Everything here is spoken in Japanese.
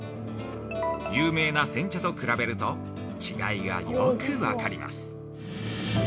有名な煎茶と比べると、違いがよく分かります。